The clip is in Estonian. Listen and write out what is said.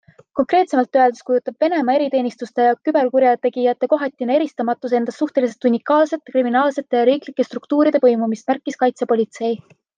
Konkreetsemalt öeldes kujutab Venemaa eriteenistuste ja küberkurjategijate kohatine eristamatus endast suhteliselt unikaalset kriminaalsete ja riiklike struktuuride põimumist, märkis kaitsepolitsei.